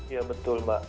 iya betul mbak